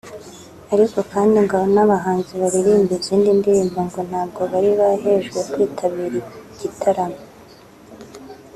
ariko kandi ngo n'abahanzi baririmba izindi ndirimbo ngo ntabwo bari bahejwe kwitabira igitaramo